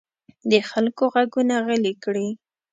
د خلکو غږونه غلي کړي.